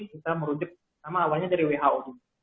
kita merujuk nama awalnya dari who